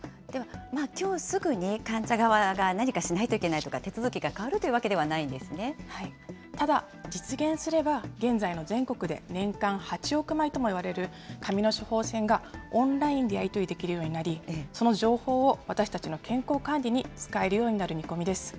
きょうすぐに患者側が何かしないといけないとか、手続きが変ただ、実現すれば、現在の全国で年間８億枚ともいわれる紙の処方箋がオンラインでやり取りできるようになり、その情報を私たちの健康管理に使えるようになる見込みです。